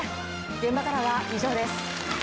現場からは以上です。